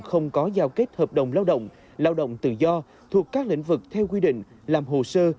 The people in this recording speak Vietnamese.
không có giao kết hợp đồng lao động lao động tự do thuộc các lĩnh vực theo quy định làm hồ sơ